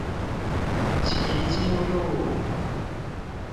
旗津路